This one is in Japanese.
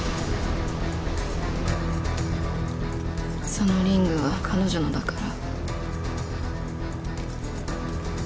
そのリングは彼女のだから。